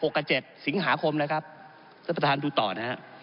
กับเจ็ดสิงหาคมนะครับท่านประธานดูต่อนะฮะ